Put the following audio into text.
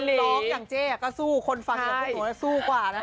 ร้องอย่างเจ๊ก็สู้คนฟังอย่างพวกหนูสู้กว่านะ